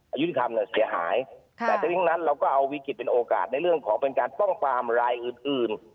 อายุที่ความเหนือเสียหายแต่เท่านั้นเราก็เอาวิกฤตเป็นโอกาสในเรื่องของเป็นการป้องฟาร์มรายอื่น